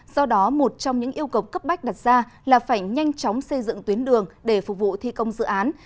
do đó một trong những yêu cầu cấp bách đặt ra là phải nhanh chóng xây dựng tuyến đường để phục vụ thi công dự án